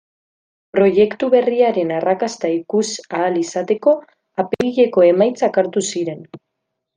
Proiektu berriaren arrakasta ikus ahal izateko apirileko emaitzak hartu ziren.